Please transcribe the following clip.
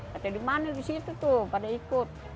katanya di mana di situ tuh pada ikut